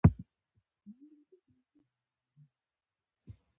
سیلابونه د افغانستان د بشري فرهنګ یوه برخه ده.